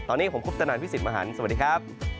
ตอนนี้ผมพบกับสนานพี่สิทธิ์มหันสวัสดีครับ